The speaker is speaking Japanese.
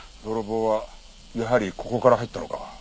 泥棒はやはりここから入ったのか。